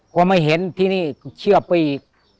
พอไม่เห็นที่นี่เชื่อไปอีก